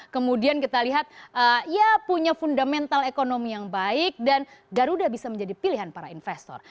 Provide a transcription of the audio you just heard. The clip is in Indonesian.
kemudian kita lihat ya punya fundamental ekonomi yang baik dan garuda bisa menjadi pilihan para investor